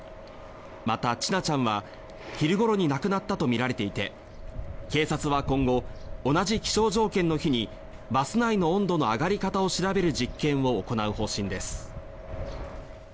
また、千奈ちゃんは昼ごろに亡くなったとみられていて警察は、今後同じ気象条件の日にバス内の温度の上がり方を調べる実験を行う方針です。